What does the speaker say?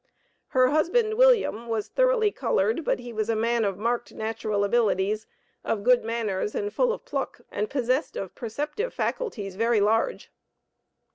Her husband, William, was thoroughly colored, but was a man of marked natural abilities, of good manners, and full of pluck, and possessed of perceptive faculties very large.